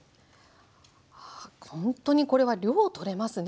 ほんとにこれは量とれますね。